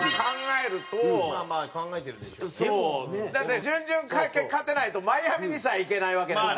だって準々で勝てないとマイアミにさえ行けないわけだから。